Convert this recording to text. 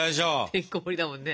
てんこもりだもんね。